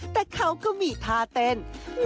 แต่เขาก็มีท่าเต้น